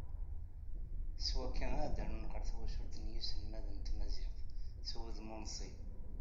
S wakka ad rnun ɣer twacult n yiselmaden n tmaziɣt s wudem unṣib.